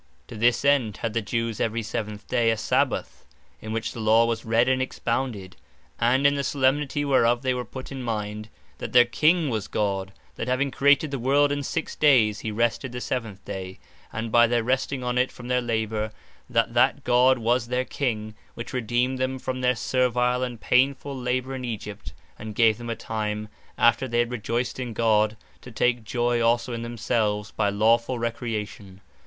To this end had the Jewes every seventh day, a Sabbath, in which the Law was read and expounded; and in the solemnity whereof they were put in mind, that their King was God; that having created the world in six days, he rested the seventh day; and by their resting on it from their labour, that that God was their King, which redeemed them from their servile, and painfull labour in Egypt, and gave them a time, after they had rejoyced in God, to take joy also in themselves, by lawfull recreation.